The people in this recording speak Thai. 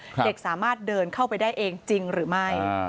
เด็กสามารถเดินเข้าไปได้เองจริงหรือไม่